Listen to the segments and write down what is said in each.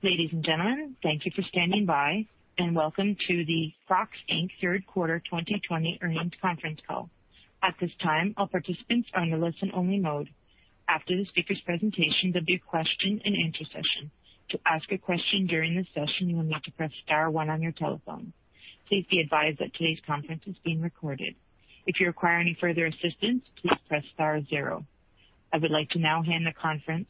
Ladies and gentlemen, thank you for standing by, welcome to the Crocs, Inc third quarter 2020 earnings conference call. At this time, all participants are in a listen-only mode. After the speaker's presentation, there'll be a question-and-answer session. To ask a question during this session, you will need to press star one on your telephone. Please be advised that today's conference is being recorded. If you require any further assistance, please press star zero. I would like to now hand the conference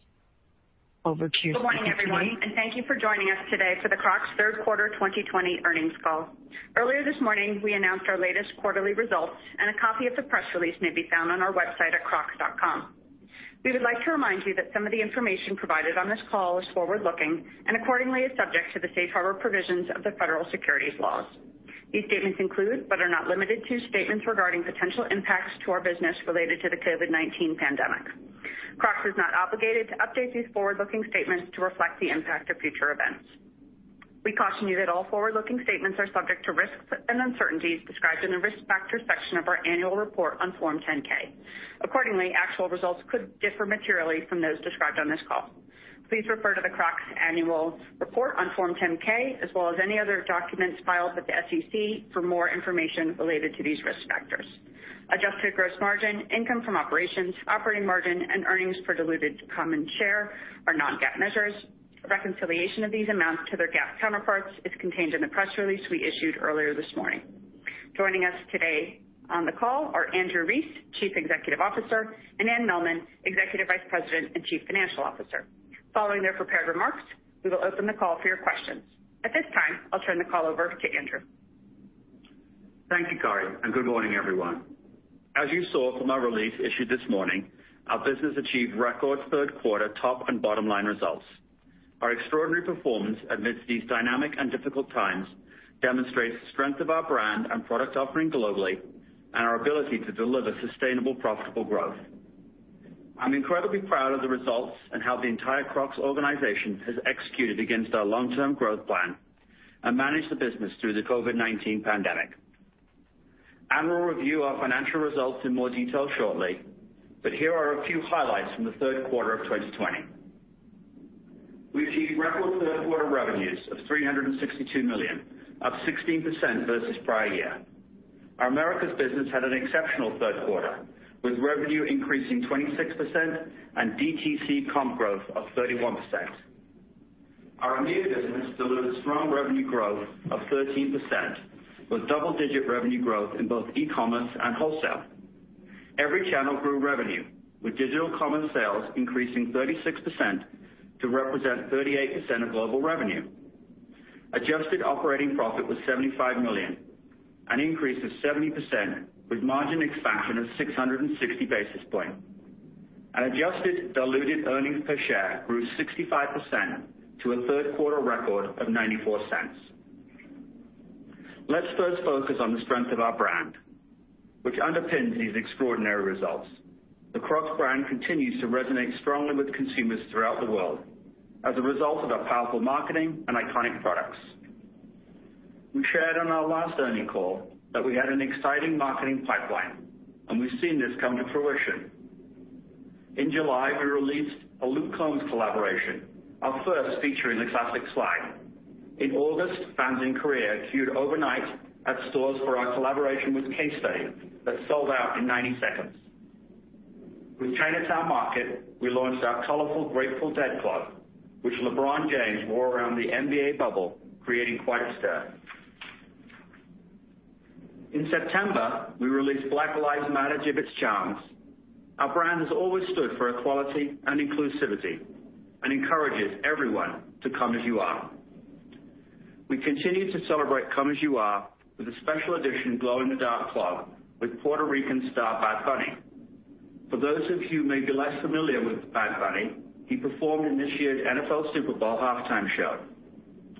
over to Cori. Good morning, everyone, and thank you for joining us today for the Crocs third quarter 2020 earnings call. Earlier this morning, we announced our latest quarterly results, and a copy of the press release may be found on our website at crocs.com. We would like to remind you that some of the information provided on this call is forward-looking and accordingly is subject to the safe harbor provisions of the Federal Securities Laws. These statements include, but are not limited to, statements regarding potential impacts to our business related to the COVID-19 pandemic. Crocs is not obligated to update these forward-looking statements to reflect the impact of future events. We caution you that all forward-looking statements are subject to risks and uncertainties described in the Risk Factors section of our annual report on Form 10-K. Accordingly, actual results could differ materially from those described on this call. Please refer to the Crocs annual report on Form 10-K as well as any other documents filed with the SEC for more information related to these risk factors. Adjusted gross margin, income from operations, operating margin, and earnings per diluted common share are non-GAAP measures. Reconciliation of these amounts to their GAAP counterparts is contained in the press release we issued earlier this morning. Joining us today on the call are Andrew Rees, Chief Executive Officer, and Anne Mehlman, Executive Vice President and Chief Financial Officer. Following their prepared remarks, we will open the call for your questions. At this time, I'll turn the call over to Andrew. Thank you, Cori. Good morning, everyone. As you saw from our release issued this morning, our business achieved record third quarter top and bottom line results. Our extraordinary performance amidst these dynamic and difficult times demonstrates the strength of our brand and product offering globally and our ability to deliver sustainable, profitable growth. I'm incredibly proud of the results and how the entire Crocs organization has executed against our long-term growth plan and managed the business through the COVID-19 pandemic. Anne will review our financial results in more detail shortly. Here are a few highlights from the third quarter of 2020. We achieved record third quarter revenues of $362 million, up 16% versus prior year. Our Americas business had an exceptional third quarter, with revenue increasing 26% and DTC comp growth of 31%. Our EMEA business delivered strong revenue growth of 13%, with double-digit revenue growth in both e-commerce and wholesale. Every channel grew revenue, with digital commerce sales increasing 36% to represent 38% of global revenue. Adjusted operating profit was $75 million, an increase of 70%, with margin expansion of 660 basis points. Adjusted diluted earnings per share grew 65% to a third quarter record of $0.94. Let's first focus on the strength of our brand, which underpins these extraordinary results. The Crocs brand continues to resonate strongly with consumers throughout the world as a result of our powerful marketing and iconic products. We shared on our last earnings call that we had an exciting marketing pipeline, and we've seen this come to fruition. In July, we released a Luke Combs collaboration, our first featuring the Classic Slide. In August, fans in Korea queued overnight at stores for our collaboration with [Case Study] that sold out in 90 seconds. With Chinatown Market, we launched our colorful Grateful Dead Clog, which LeBron James wore around the NBA bubble, creating quite a stir. In September, we released Black Lives Matter Jibbitz Charms. Our brand has always stood for equality and inclusivity and encourages everyone to Come As You Are. We continue to celebrate Come As You Are with a special edition glow-in-the-dark Clog with Puerto Rican star, Bad Bunny. For those of you who may be less familiar with Bad Bunny, he performed in this year's NFL Super Bowl halftime show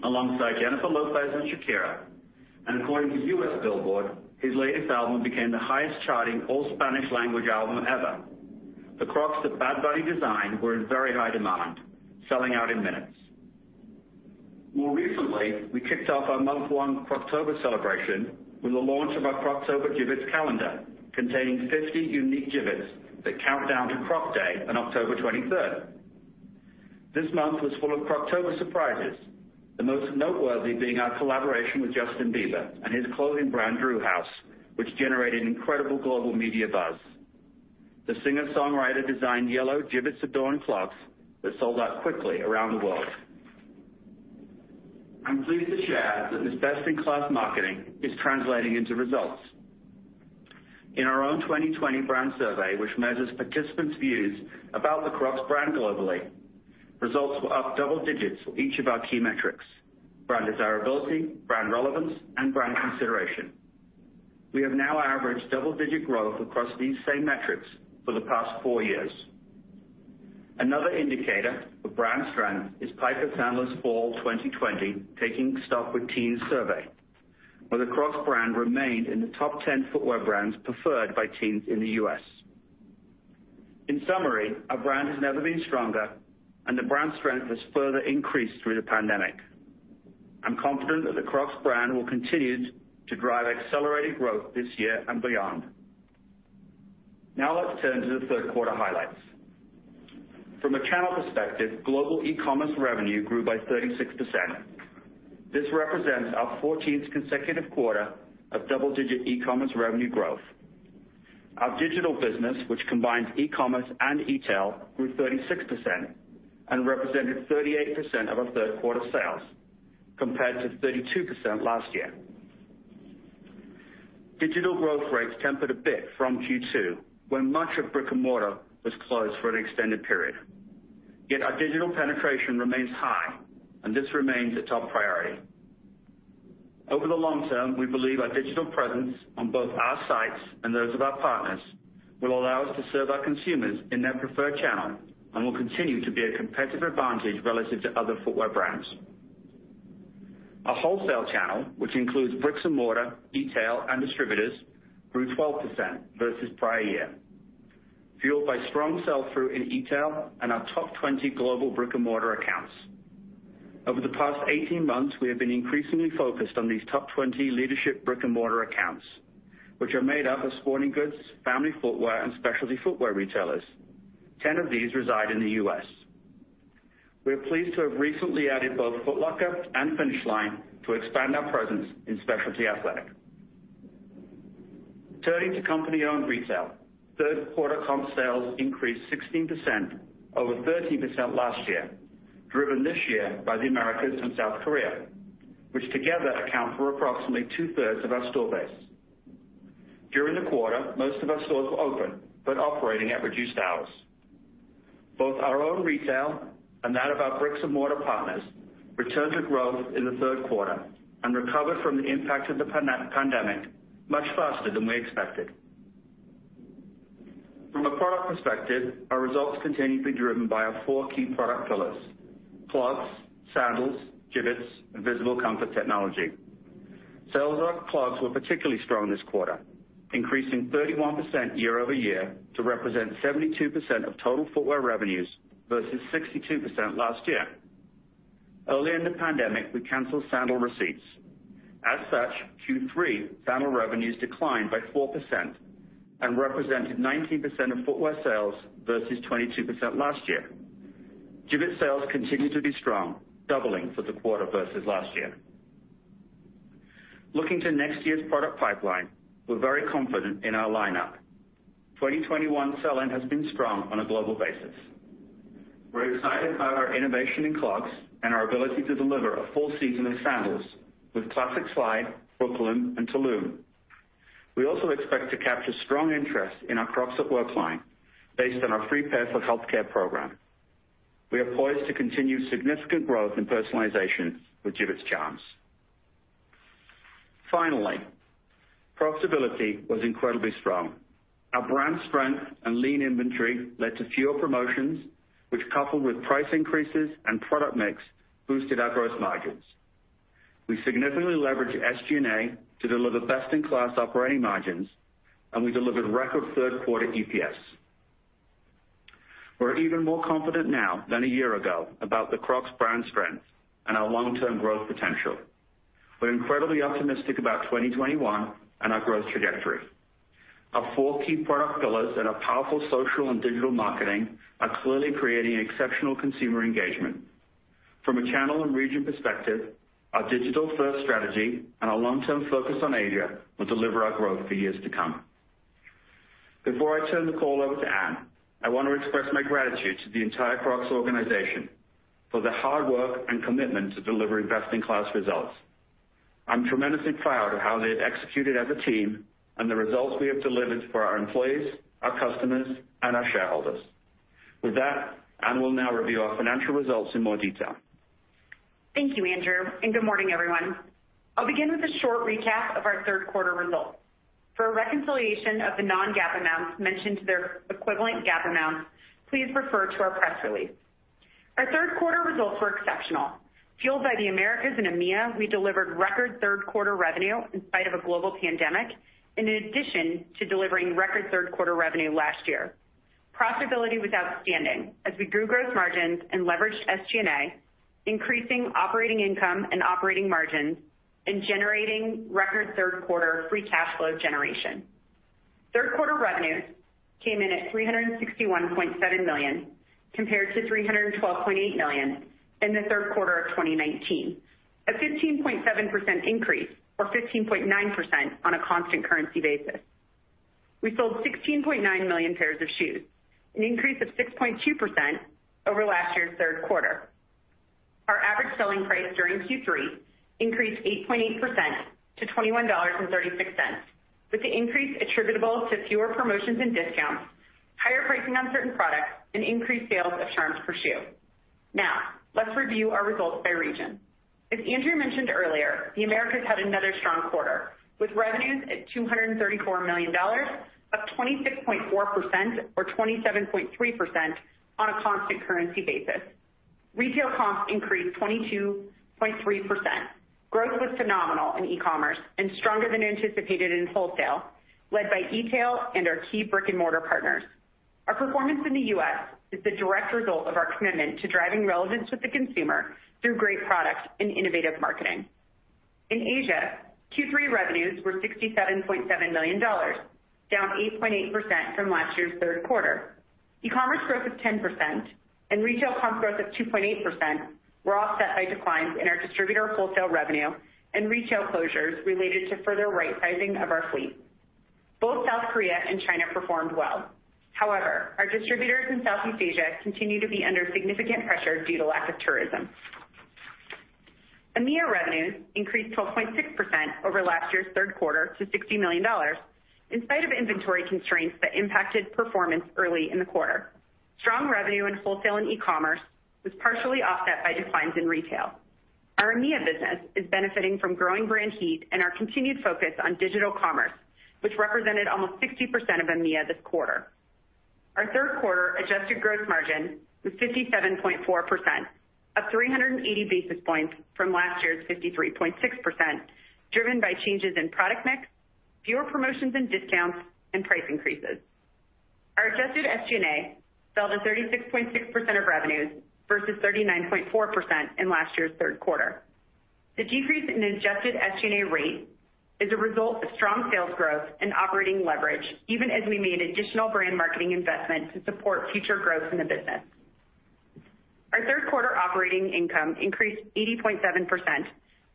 alongside Jennifer Lopez and Shakira. According to U.S. Billboard, his latest album became the highest-charting all Spanish language album ever. The Crocs that Bad Bunny designed were in very high demand, selling out in minutes. More recently, we kicked off our month-long Croctober celebration with the launch of our Croctober Jibbitz calendar, containing 50 unique Jibbitz that count down to Croc Day on October 23rd. This month was full of Croctober surprises, the most noteworthy being our collaboration with Justin Bieber and his clothing brand, Drew House, which generated incredible global media buzz. The singer-songwriter designed yellow Jibbitz-adorned clogs that sold out quickly around the world. I'm pleased to share that this best-in-class marketing is translating into results. In our own 2020 brand survey, which measures participants' views about the Crocs brand globally, results were up double digits for each of our key metrics: brand desirability, brand relevance, and brand consideration. We have now averaged double-digit growth across these same metrics for the past four years. Another indicator of brand strength is Piper Sandler's Fall 2020 Taking Stock With Teens survey, where the Crocs brand remained in the top 10 footwear brands preferred by teens in the U.S. In summary, our brand has never been stronger, and the brand strength has further increased through the pandemic. I'm confident that the Crocs brand will continue to drive accelerated growth this year and beyond. Let's turn to the third quarter highlights. From a channel perspective, global e-commerce revenue grew by 36%. This represents our 14th consecutive quarter of double-digit e-commerce revenue growth. Our digital business, which combines e-commerce and e-tail, grew 36% and represented 38% of our third quarter sales, compared to 32% last year. Digital growth rates tempered a bit from Q2, when much of brick-and-mortar was closed for an extended period. Our digital penetration remains high, and this remains a top priority. Over the long term, we believe our digital presence on both our sites and those of our partners will allow us to serve our consumers in their preferred channel and will continue to be a competitive advantage relative to other footwear brands. Our wholesale channel, which includes brick-and-mortar, e-tail, and distributors, grew 12% versus prior year, fueled by strong sell-through in e-tail and our top 20 global brick-and-mortar accounts. Over the past 18 months, we have been increasingly focused on these top 20 leadership brick-and-mortar accounts, which are made up of sporting goods, family footwear, and specialty footwear retailers. 10 of these reside in the U.S. We are pleased to have recently added both Foot Locker and Finish Line to expand our presence in specialty athletic. Turning to company-owned retail, third quarter comp sales increased 16% over 13% last year, driven this year by the Americas and South Korea, which together account for approximately two-thirds of our store base. During the quarter, most of our stores were open, but operating at reduced hours. Both our own retail and that of our bricks-and-mortar partners returned to growth in the third quarter and recovered from the impact of the pandemic much faster than we expected. From a product perspective, our results continue to be driven by our four key product pillars: clogs, sandals, Jibbitz, and visible comfort technology. Sales of our clogs were particularly strong this quarter, increasing 31% year-over-year to represent 72% of total footwear revenues versus 62% last year. Early in the pandemic, we canceled sandal receipts. As such, Q3 sandal revenues declined by 4% and represented 19% of footwear sales versus 22% last year. Jibbitz sales continued to be strong, doubling for the quarter versus last year. Looking to next year's product pipeline, we're very confident in our lineup. 2021 selling has been strong on a global basis. We're excited by our innovation in clogs and our ability to deliver a full season of sandals with Classic Slide, Brooklyn, and Tulum. We also expect to capture strong interest in our Crocs at Work line based on our Free Pair for Healthcare program. We are poised to continue significant growth in personalization with Jibbitz Charms. Finally, profitability was incredibly strong. Our brand strength and lean inventory led to fewer promotions, which coupled with price increases and product mix, boosted our gross margins. We significantly leveraged SG&A to deliver best-in-class operating margins, and we delivered record third quarter EPS. We're even more confident now than a year ago about the Crocs brand strength and our long-term growth potential. We're incredibly optimistic about 2021 and our growth trajectory. Our four key product pillars and our powerful social and digital marketing are clearly creating exceptional consumer engagement. From a channel and region perspective, our digital-first strategy and our long-term focus on Asia will deliver our growth for years to come. Before I turn the call over to Anne, I want to express my gratitude to the entire Crocs organization for their hard work and commitment to delivering best-in-class results. I'm tremendously proud of how they have executed as a team and the results we have delivered for our employees, our customers, and our shareholders. With that, Anne will now review our financial results in more detail. Thank you, Andrew. Good morning, everyone. I'll begin with a short recap of our third quarter results. For a reconciliation of the non-GAAP amounts mentioned to their equivalent GAAP amounts, please refer to our press release. Our third quarter results were exceptional. Fueled by the Americas and EMEA, we delivered record third quarter revenue in spite of a global pandemic and in addition to delivering record third quarter revenue last year. Profitability was outstanding as we grew gross margins and leveraged SG&A, increasing operating income and operating margins and generating record third quarter free cash flow generation. Third quarter revenues came in at $361.7 million compared to $312.8 million in the third quarter of 2019, a 15.7% increase or 15.9% on a constant currency basis. We sold 16.9 million pairs of shoes, an increase of 6.2% over last year's third quarter. Our average selling price during Q3 increased 8.8% to $21.36, with the increase attributable to fewer promotions and discounts, higher pricing on certain products, and increased sales of Charms per shoe. Let's review our results by region. As Andrew mentioned earlier, the Americas had another strong quarter, with revenues at $234 million, up 26.4% or 27.3% on a constant currency basis. Retail comps increased 22.3%. Growth was phenomenal in e-commerce and stronger than anticipated in wholesale, led by e-tail and our key brick-and-mortar partners. Our performance in the U.S. is the direct result of our commitment to driving relevance with the consumer through great products and innovative marketing. In Asia, Q3 revenues were $67.7 million, down 8.8% from last year's third quarter. E-commerce growth of 10% and retail comp growth of 2.8% were offset by declines in our distributor wholesale revenue and retail closures related to further right-sizing of our fleet. Both South Korea and China performed well. Our distributors in Southeast Asia continue to be under significant pressure due to lack of tourism. EMEA revenues increased 12.6% over last year's third quarter to $60 million, in spite of inventory constraints that impacted performance early in the quarter. Strong revenue in wholesale and e-commerce was partially offset by declines in retail. Our EMEA business is benefiting from growing brand heat and our continued focus on digital commerce, which represented almost 60% of EMEA this quarter. Our third quarter adjusted gross margin was 57.4%, up 380 basis points from last year's 53.6%, driven by changes in product mix, fewer promotions and discounts, and price increases. Our adjusted SG&A fell to 36.6% of revenues versus 39.4% in last year's third quarter. The decrease in adjusted SG&A rate is a result of strong sales growth and operating leverage, even as we made additional brand marketing investment to support future growth in the business. Our third quarter operating income increased 80.7%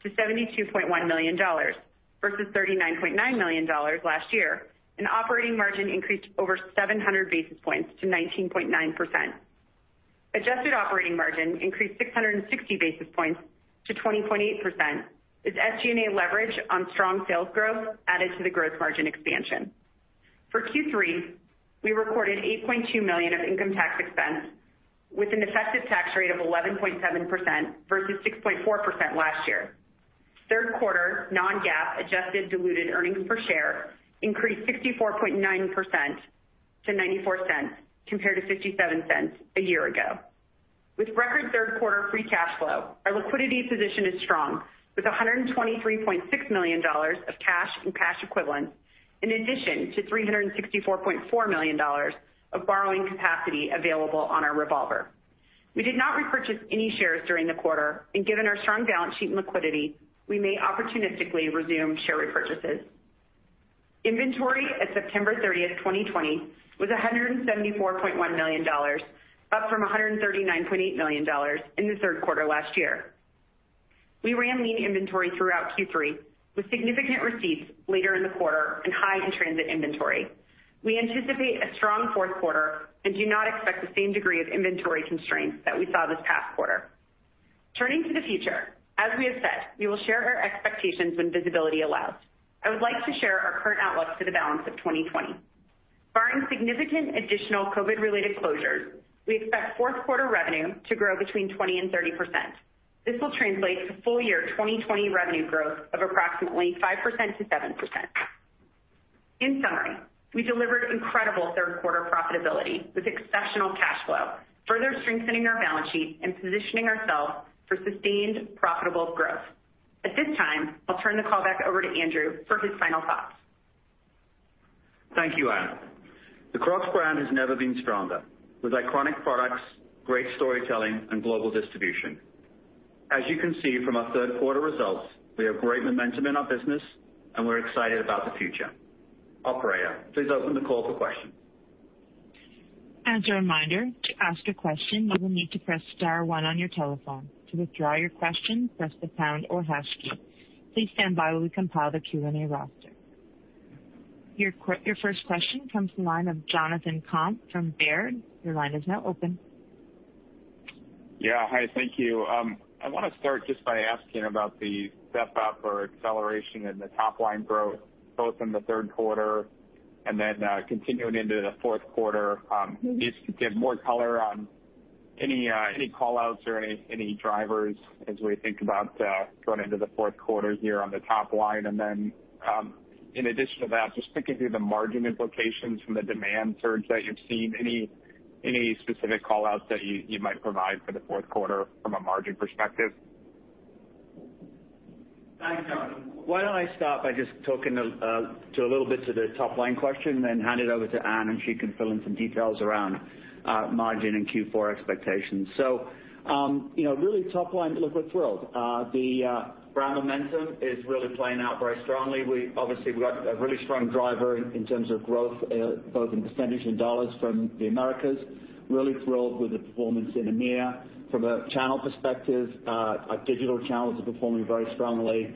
to $72.1 million versus $39.9 million last year, and operating margin increased over 700 basis points to 19.9%. Adjusted operating margin increased 660 basis points to 20.8% as SG&A leverage on strong sales growth added to the gross margin expansion. For Q3, we recorded $8.2 million of income tax expense with an effective tax rate of 11.7% versus 6.4% last year. Third quarter non-GAAP adjusted diluted earnings per share increased 64.9% to $0.94 compared to $0.57 a year ago. With record third quarter free cash flow, our liquidity position is strong with $123.6 million of cash and cash equivalents, in addition to $364.4 million of borrowing capacity available on our revolver. We did not repurchase any shares during the quarter, and given our strong balance sheet and liquidity, we may opportunistically resume share repurchases. Inventory at September 30th, 2020 was $174.1 million, up from $139.8 million in the third quarter last year. We ran lean inventory throughout Q3 with significant receipts later in the quarter and high in-transit inventory. We anticipate a strong fourth quarter and do not expect the same degree of inventory constraints that we saw this past quarter. Turning to the future, as we have said, we will share our expectations when visibility allows. I would like to share our current outlook for the balance of 2020. Barring significant additional COVID-related closures, we expect fourth quarter revenue to grow between 20% and 30%. This will translate to full year 2020 revenue growth of approximately 5%-7%. In summary, we delivered incredible third quarter profitability with exceptional cash flow, further strengthening our balance sheet and positioning ourselves for sustained profitable growth. At this time, I'll turn the call back over to Andrew for his final thoughts. Thank you, Anne. The Crocs brand has never been stronger, with iconic products, great storytelling, and global distribution. As you can see from our third quarter results, we have great momentum in our business, and we're excited about the future. Operator, please open the call for questions. As a reminder, to ask a question, you will need to press star one on your telephone. To withdraw your question, press the pound or hash key. Please standby while we compile the Q&A roster. Your first question comes from the line of Jonathan Komp from Baird. Your line is now open. Yeah. Hi, thank you. I want to start just by asking about the step-up or acceleration in the top-line growth, both in the third quarter and then continuing into the fourth quarter. Can you just give more color on any call-outs or any drivers as we think about going into the fourth quarter here on the top line? In addition to that, just thinking through the margin implications from the demand surge that you've seen. Any specific call-outs that you might provide for the fourth quarter from a margin perspective? Thanks, Jonathan. Why don't I start by just talking a little bit to the top-line question, then hand it over to Anne, and she can fill in some details around margin and Q4 expectations. Really top line, look, we're thrilled. The brand momentum is really playing out very strongly. Obviously, we got a really strong driver in terms of growth, both in percentage and dollars from the Americas. Really thrilled with the performance in EMEA. From a channel perspective, our digital channels are performing very strongly.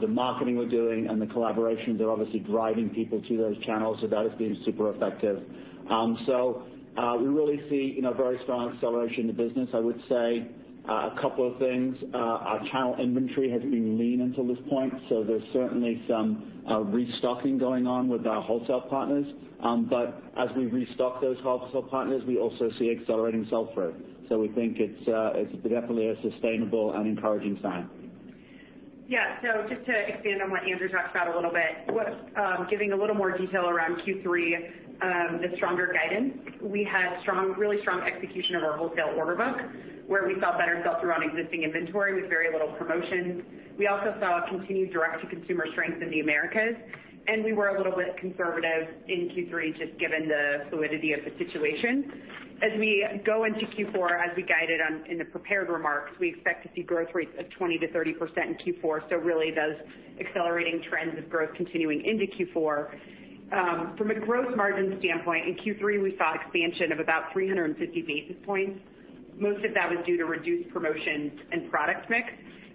The marketing we're doing and the collaborations are obviously driving people to those channels. That has been super effective. We really see a very strong acceleration in the business. I would say a couple of things. Our channel inventory has been lean until this point, so there's certainly some restocking going on with our wholesale partners. As we restock those wholesale partners, we also see accelerating sell-through. We think it's definitely a sustainable and encouraging sign. Yeah. Just to expand on what Andrew talked about a little bit, giving a little more detail around Q3, the stronger guidance. We had really strong execution of our wholesale order book, where we saw better sell-through on existing inventory with very little promotions. We also saw a continued direct-to-consumer strength in the Americas, and we were a little bit conservative in Q3, just given the fluidity of the situation. As we go into Q4, as we guided on in the prepared remarks, we expect to see growth rates of 20% to 30% in Q4. Really those accelerating trends of growth continuing into Q4. From a gross margin standpoint, in Q3 we saw expansion of about 350 basis points. Most of that was due to reduced promotions and product mix,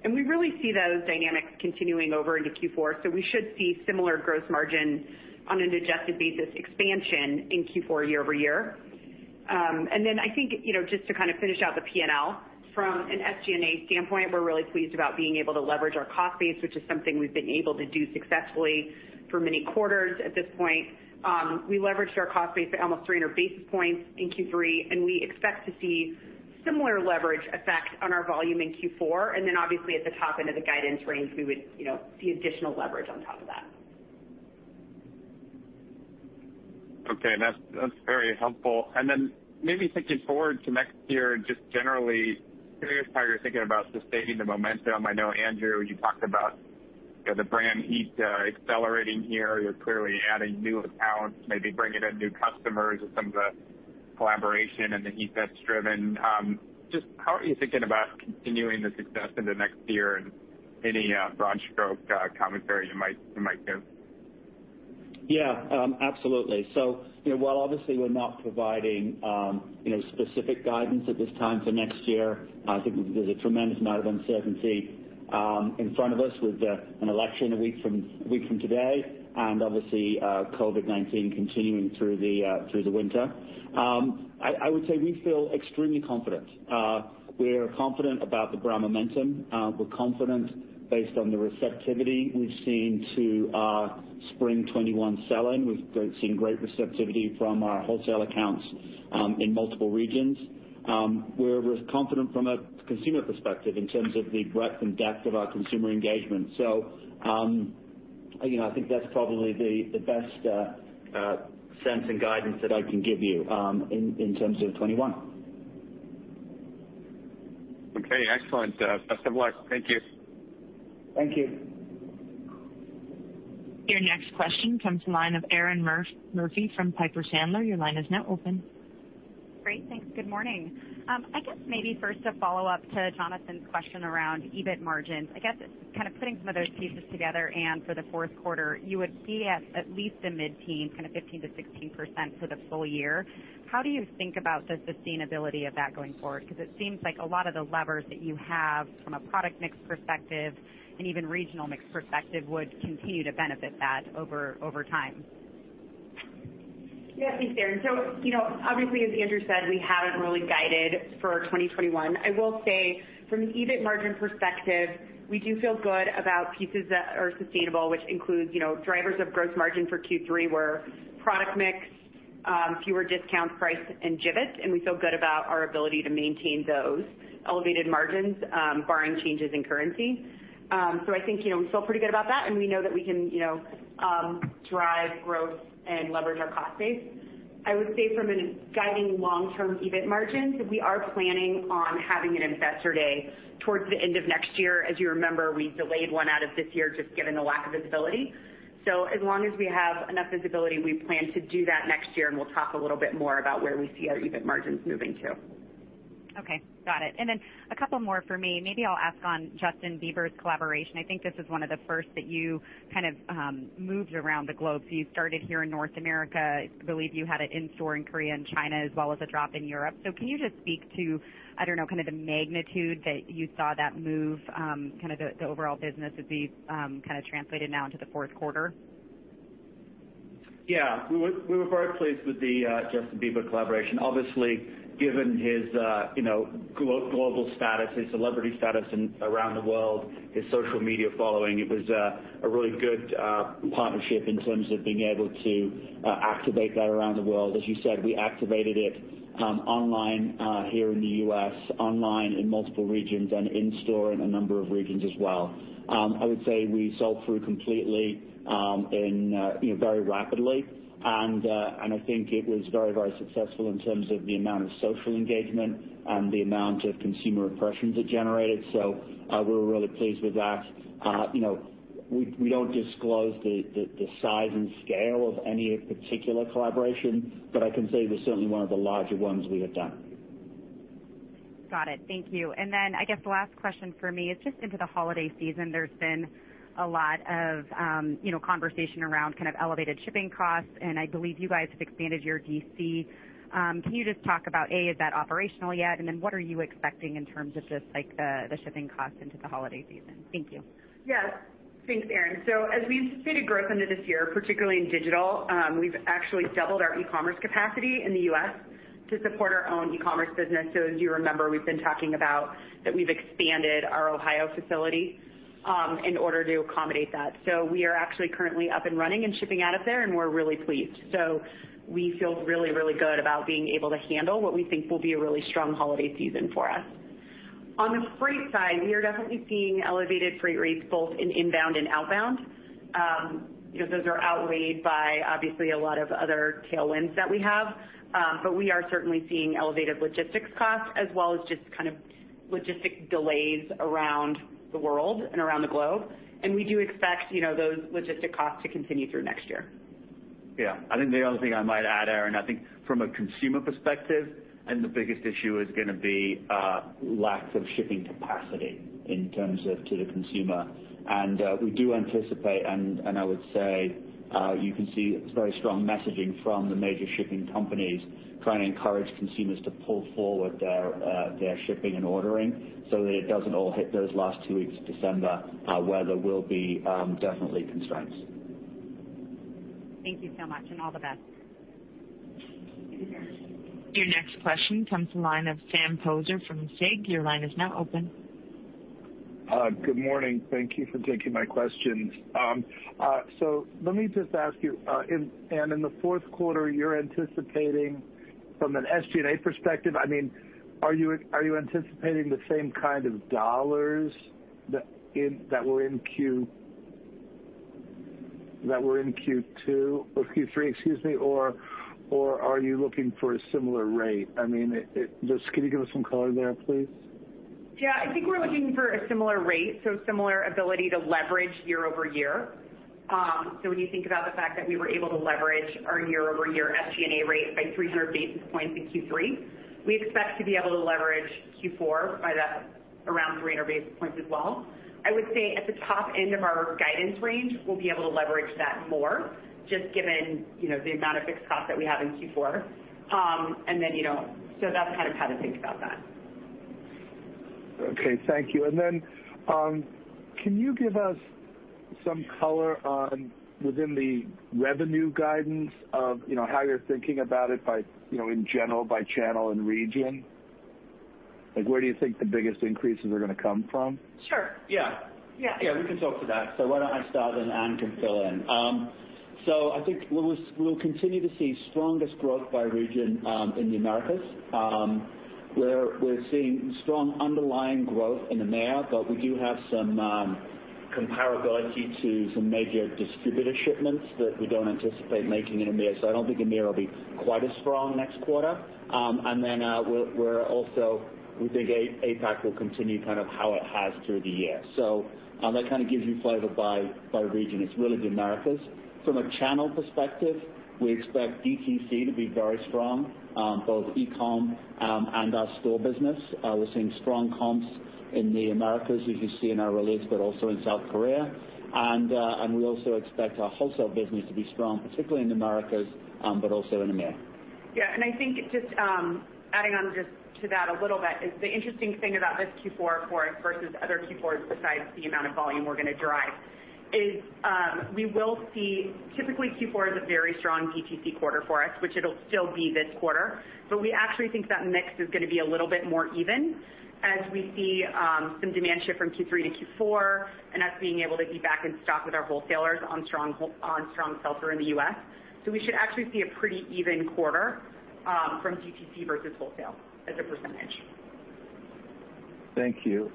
and we really see those dynamics continuing over into Q4. We should see similar gross margin on an adjusted basis expansion in Q4 year-over-year. I think, just to finish out the P&L, from an SG&A standpoint, we're really pleased about being able to leverage our cost base, which is something we've been able to do successfully for many quarters at this point. We leveraged our cost base by almost 300 basis points in Q3, and we expect to see similar leverage effect on our volume in Q4. Obviously at the top end of the guidance range, we would see additional leverage on top of that. Okay. That's very helpful. Maybe thinking forward to next year, just generally curious how you're thinking about sustaining the momentum. I know, Andrew, you talked about the brand heat accelerating here. You're clearly adding new accounts, maybe bringing in new customers with some of the collaboration and the heat that's driven. Just how are you thinking about continuing the success into next year and any broad stroke commentary you might give? Yeah. Absolutely. While obviously we're not providing specific guidance at this time for next year, I think there's a tremendous amount of uncertainty in front of us with an election a week from today, and obviously COVID-19 continuing through the winter. I would say we feel extremely confident. We're confident about the brand momentum. We're confident based on the receptivity we've seen to our spring 2021 sell-in. We've seen great receptivity from our wholesale accounts in multiple regions. We're confident from a consumer perspective in terms of the breadth and depth of our consumer engagement. I think that's probably the best sense and guidance that I can give you in terms of 2021. Okay. Excellent. Best of luck. Thank you. Thank you. Your next question comes from the line of Erinn Murphy from Piper Sandler. Your line is now open. Great. Thanks. Good morning. I guess maybe first a follow-up to Jonathan's question around EBIT margins. I guess just putting some of those pieces together, for the fourth quarter, you would be at least the mid-teen, 15%-16% for the full year. How do you think about the sustainability of that going forward? It seems like a lot of the levers that you have from a product mix perspective and even regional mix perspective would continue to benefit that over time. Yeah. Thanks, Erinn. Obviously, as Andrew said, we haven't really guided for 2021. I will say from an EBIT margin perspective, we do feel good about pieces that are sustainable, which includes drivers of gross margin for Q3 were product mix, fewer discounts, price, and Jibbitz. We feel good about our ability to maintain those elevated margins, barring changes in currency. I think we feel pretty good about that. We know that we can drive growth and leverage our cost base. I would say from a guiding long-term EBIT margins, we are planning on having an investor day towards the end of next year. As you remember, we delayed one out of this year, just given the lack of visibility. As long as we have enough visibility, we plan to do that next year, and we'll talk a little bit more about where we see our EBIT margins moving to. Okay. Got it. A couple more for me. Maybe I'll ask on Justin Bieber's collaboration. I think this is one of the first that you moved around the globe. You started here in North America. I believe you had it in store in Korea and China, as well as a drop in Europe. Can you just speak to the magnitude that you saw that move the overall business as we've translated now into the fourth quarter? Yeah. We were very pleased with the Justin Bieber collaboration. Obviously, given his global status, his celebrity status around the world, his social media following, it was a really good partnership in terms of being able to activate that around the world. As you said, we activated it online here in the U.S., online in multiple regions, and in store in a number of regions as well. I would say we sold through completely very rapidly, and I think it was very successful in terms of the amount of social engagement and the amount of consumer impressions it generated. We're really pleased with that. We don't disclose the size and scale of any particular collaboration, but I can say it was certainly one of the larger ones we have done. Got it. Thank you. I guess the last question for me is just into the holiday season, there's been a lot of conversation around elevated shipping costs, and I believe you guys have expanded your DC. Can you just talk about, A, is that operational yet, what are you expecting in terms of just the shipping costs into the holiday season? Thank you. Yes. Thanks, Erinn. As we've stated growth into this year, particularly in digital, we've actually doubled our e-commerce capacity in the U.S. to support our own e-commerce business. As you remember, we've been talking about that we've expanded our Ohio facility in order to accommodate that. We are actually currently up and running and shipping out of there, and we're really pleased. We feel really good about being able to handle what we think will be a really strong holiday season for us. On the freight side, we are definitely seeing elevated freight rates both in inbound and outbound. Those are outweighed by obviously a lot of other tailwinds that we have. We are certainly seeing elevated logistics costs as well as just logistic delays around the world and around the globe. We do expect those logistic costs to continue through next year. Yeah. I think the only thing I might add, Erinn, I think from a consumer perspective, the biggest issue is going to be lack of shipping capacity in terms of to the consumer. We do anticipate, and I would say, you can see very strong messaging from the major shipping companies trying to encourage consumers to pull forward their shipping and ordering so that it doesn't all hit those last two weeks of December, where there will be definitely constraints. Thank you so much, and all the best. Your next question comes from the line of Sam Poser from SIG. Your line is now open. Good morning. Thank you for taking my questions. Let me just ask you, Anne, in the fourth quarter, you're anticipating from an SG&A perspective, are you anticipating the same kind of dollars that were in Q2 or Q3, excuse me, or are you looking for a similar rate? Just could you give us some color there, please? Yeah, I think we're looking for a similar rate, so similar ability to leverage year-over-year. When you think about the fact that we were able to leverage our year-over-year SG&A rate by 300 basis points in Q3, we expect to be able to leverage Q4 by around 300 basis points as well. I would say at the top end of our guidance range, we'll be able to leverage that more just given the amount of fixed cost that we have in Q4. That's how to think about that. Okay. Thank you. Can you give us some color on within the revenue guidance of how you're thinking about it in general by channel and region? Where do you think the biggest increases are going to come from? Sure. Yeah. We can talk to that. Why don't I start and Anne can fill in. I think we'll continue to see strongest growth by region in the Americas, where we're seeing strong underlying growth in EMEA, but we do have some comparability to some major distributor shipments that we don't anticipate making in EMEA. I don't think EMEA will be quite as strong next quarter. We think APAC will continue how it has through the year. That gives you flavor by region. It's really the Americas. From a channel perspective, we expect DTC to be very strong, both e-com and our store business. We're seeing strong comps in the Americas, as you see in our release, but also in South Korea. We also expect our wholesale business to be strong, particularly in the Americas, but also in EMEA. Yeah. I think just adding on just to that a little bit is the interesting thing about this Q4 for us versus other Q4s besides the amount of volume we're going to drive is, we will see typically Q4 is a very strong DTC quarter for us, which it'll still be this quarter, but we actually think that mix is going to be a little bit more even as we see some demand shift from Q3 to Q4 and us being able to be back in stock with our wholesalers on strong sell-through in the U.S. We should actually see a pretty even quarter from DTC versus wholesale as a percentage. Thank you.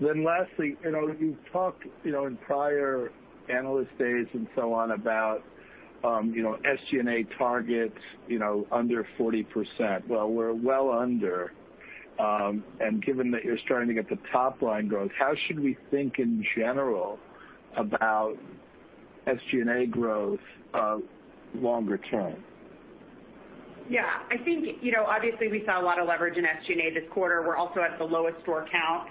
Lastly, you've talked in prior analyst days and so on about SG&A targets under 40%. Well, we're well under. Given that you're starting to get the top line growth, how should we think in general about SG&A growth longer term? I think, obviously we saw a lot of leverage in SG&A this quarter. We're also at the lowest store count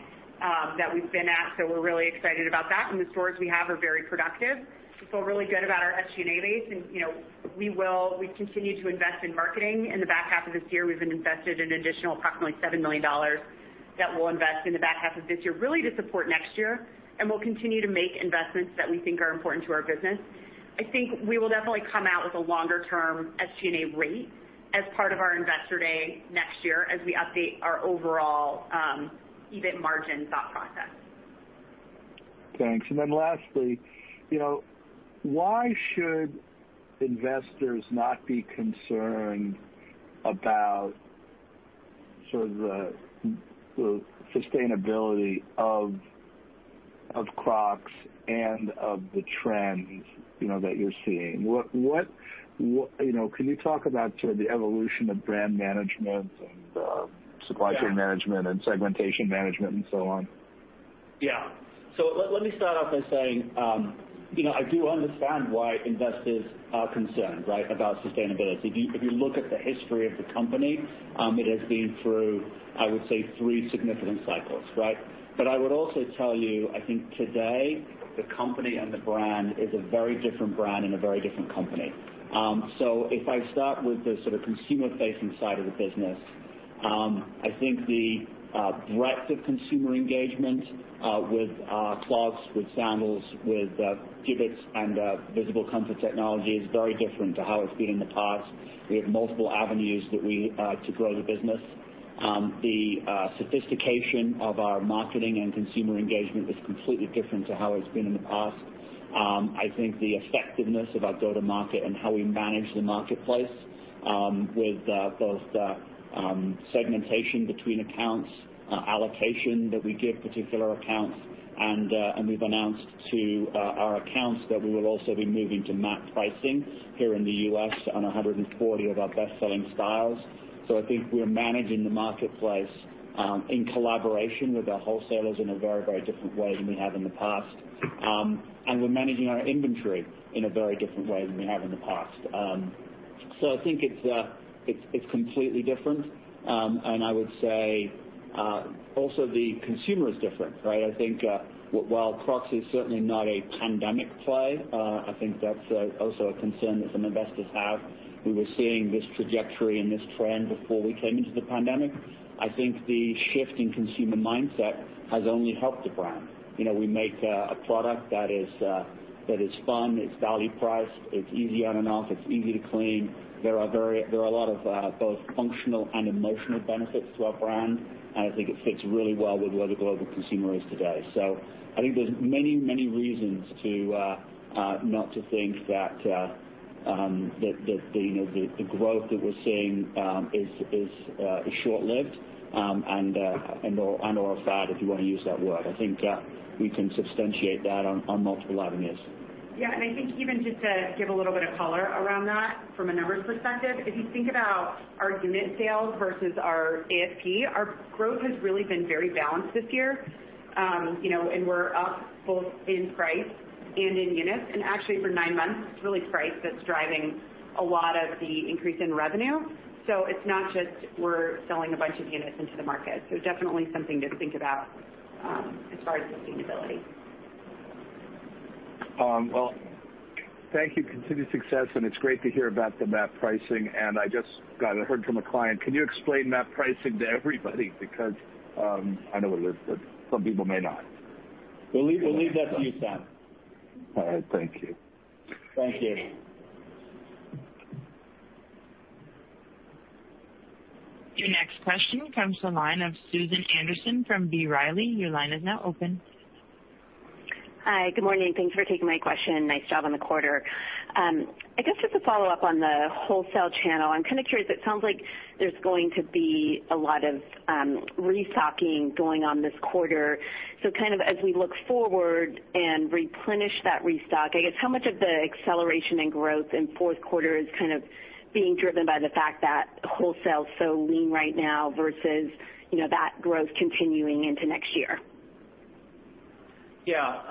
that we've been at, so we're really excited about that. The stores we have are very productive. We feel really good about our SG&A base. We continue to invest in marketing in the back half of this year. We've been invested an additional approximately $7 million that we'll invest in the back half of this year, really to support next year. We'll continue to make investments that we think are important to our business. I think we will definitely come out with a longer-term SG&A rate as part of our investor day next year as we update our overall EBIT margin thought process. Thanks. Lastly, why should investors not be concerned about sort of the sustainability of Crocs and of the trends that you're seeing? Can you talk about the evolution of brand management and supply chain management and segmentation management and so on? Yeah. Let me start off by saying I do understand why investors are concerned, right? About sustainability. If you look at the history of the company, it has been through, I would say, three significant cycles, right? I would also tell you, I think today the company and the brand is a very different brand and a very different company. If I start with the sort of consumer-facing side of the business, I think the breadth of consumer engagement with clogs, with sandals, with Jibbitz and visible comfort technology is very different to how it's been in the past. We have multiple avenues to grow the business. The sophistication of our marketing and consumer engagement is completely different to how it's been in the past. I think the effectiveness of our go-to-market and how we manage the marketplace. With both the segmentation between accounts, allocation that we give particular accounts, and we've announced to our accounts that we will also be moving to MAP pricing here in the U.S. on 140 of our best-selling styles. I think we are managing the marketplace in collaboration with our wholesalers in a very different way than we have in the past. We're managing our inventory in a very different way than we have in the past. I think it's completely different. I would say, also the consumer is different, right? I think while Crocs is certainly not a pandemic play, I think that's also a concern that some investors have. We were seeing this trajectory and this trend before we came into the pandemic. I think the shift in consumer mindset has only helped the brand. We make a product that is fun, it's value priced, it's easy on and off, it's easy to clean. There are a lot of both functional and emotional benefits to our brand. I think it fits really well with where the global consumer is today. I think there's many reasons not to think that the growth that we're seeing is short-lived and/or a fad, if you want to use that word. I think we can substantiate that on multiple avenues. I think even just to give a little bit of color around that from a numbers perspective, if you think about our unit sales versus our ASP, our growth has really been very balanced this year. We're up both in price and in units, and actually for nine months, it's really price that's driving a lot of the increase in revenue. It's not just we're selling a bunch of units into the market. Definitely something to think about as far as sustainability. Well, thank you. Continued success, and it's great to hear about the MAP pricing, and I just heard from a client. Can you explain MAP pricing to everybody? I know what it is, but some people may not. We'll leave that to you, Sam. All right. Thank you. Thank you. Your next question comes from the line of Susan Anderson from B. Riley. Your line is now open. Hi. Good morning. Thanks for taking my question. Nice job on the quarter. I guess just to follow up on the wholesale channel, I'm kind of curious. It sounds like there's going to be a lot of restocking going on this quarter. As we look forward and replenish that restock, I guess how much of the acceleration and growth in the fourth quarter is being driven by the fact that wholesale is so lean right now versus that growth continuing into next year? Yeah.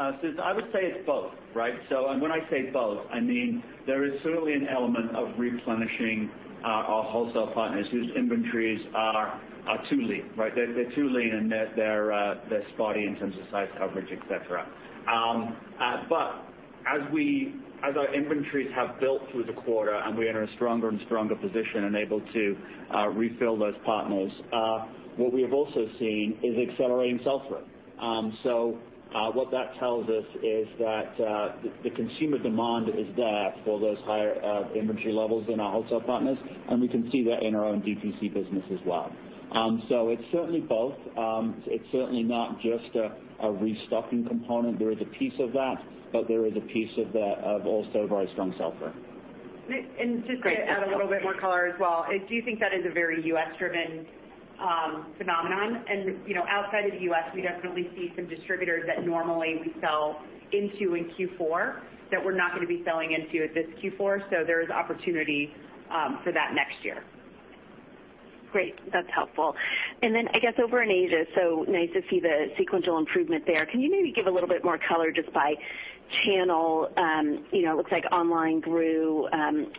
I would say it's both, right? When I say both, I mean, there is certainly an element of replenishing our wholesale partners whose inventories are too lean, right? They're too lean, and they're spotty in terms of size coverage, et cetera. As our inventories have built through the quarter and we enter a stronger and stronger position and able to refill those partners, what we have also seen is accelerating strong sell-through. What that tells us is that the consumer demand is there for those higher inventory levels in our wholesale partners, and we can see that in our own DTC business as well. It's certainly both. It's certainly not just a restocking component. There is a piece of that, but there is a piece of also very strong sell-through. Just to add a little bit more color as well. I do think that is a very U.S.-driven phenomenon. Outside of the U.S., we definitely see some distributors that normally we sell into in Q4 that we're not going to be selling into at this Q4. There is opportunity for that next year. Great. That's helpful. I guess over in Asia, nice to see the sequential improvement there. Can you maybe give a little bit more color just by channel? It looks like online grew,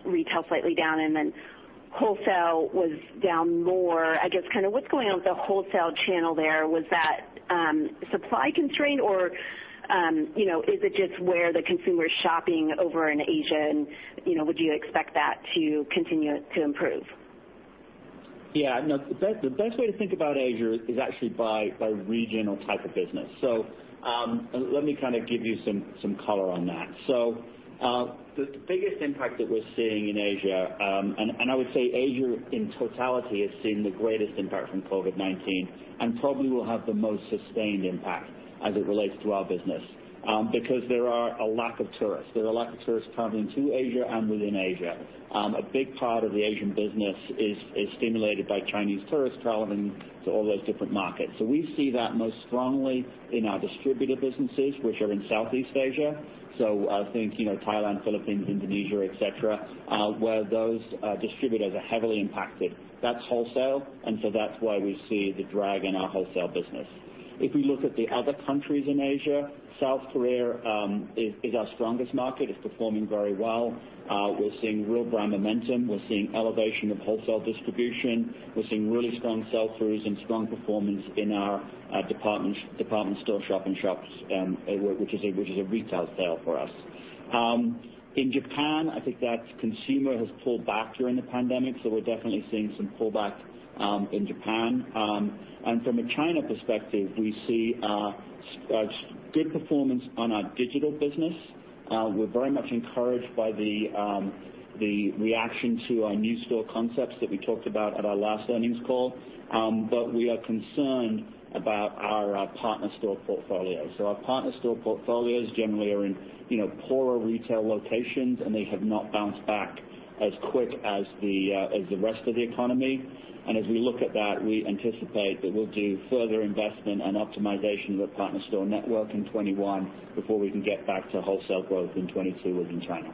retail slightly down, wholesale was down more. What's going on with the wholesale channel there? Was that supply constrained, or is it just where the consumer is shopping over in Asia, and would you expect that to continue to improve? No, the best way to think about Asia is actually by region or type of business. Let me give you some color on that. The biggest impact that we're seeing in Asia, and I would say Asia in totality, has seen the greatest impact from COVID-19 and probably will have the most sustained impact as it relates to our business because there are a lack of tourists. There are a lack of tourists traveling to Asia and within Asia. A big part of the Asian business is stimulated by Chinese tourists traveling to all those different markets. We see that most strongly in our distributor businesses, which are in Southeast Asia. I think Thailand, Philippines, Indonesia, et cetera, where those distributors are heavily impacted. That's wholesale, and that's why we see the drag in our wholesale business. We look at the other countries in Asia, South Korea is our strongest market. It's performing very well. We're seeing real brand momentum. We're seeing elevation of wholesale distribution. We're seeing really strong sell-throughs and strong performance in our department store shop-in-shops, which is a retail sale for us. In Japan, I think that consumer has pulled back during the pandemic. We're definitely seeing some pullback in Japan. From a China perspective, we see good performance on our digital business. We're very much encouraged by the reaction to our new store concepts that we talked about at our last earnings call. We are concerned about our partner store portfolio. Our partner store portfolios generally are in poorer retail locations. They have not bounced back as quick as the rest of the economy. As we look at that, we anticipate that we'll do further investment and optimization with partner store network in 2021 before we can get back to wholesale growth in 2022 within China.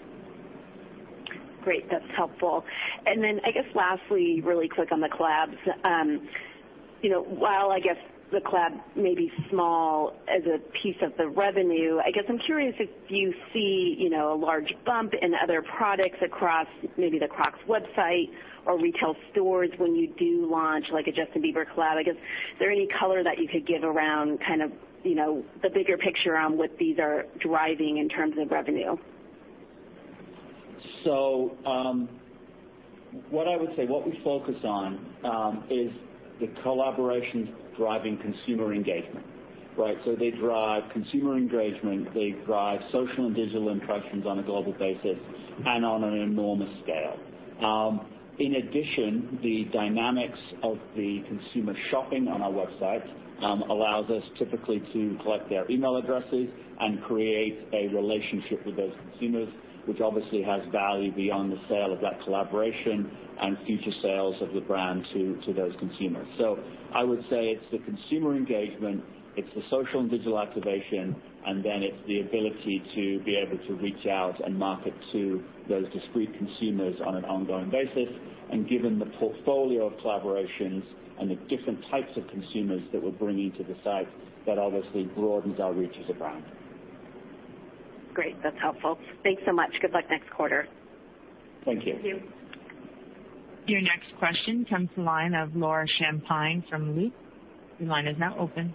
Great. That is helpful. I guess lastly, really quick on the collabs. While I guess the collab may be small as a piece of the revenue, I guess I am curious if you see a large bump in other products across maybe the Crocs website or retail stores when you do launch a Justin Bieber collab. I guess, is there any color that you could give around kind of the bigger picture on what these are driving in terms of revenue? What I would say, what we focus on, is the collaborations driving consumer engagement. Right? They drive consumer engagement, they drive social and digital impressions on a global basis and on an enormous scale. In addition, the dynamics of the consumer shopping on our website allows us typically to collect their email addresses and create a relationship with those consumers, which obviously has value beyond the sale of that collaboration and future sales of the brand to those consumers. I would say it's the consumer engagement, it's the social and digital activation, and then it's the ability to be able to reach out and market to those discrete consumers on an ongoing basis. Given the portfolio of collaborations and the different types of consumers that we're bringing to the site, that obviously broadens our reach as a brand. Great. That's helpful. Thanks so much. Good luck next quarter. Thank you. Thank you. Your next question comes to the line of Laura Champine from Loop. Your line is now open.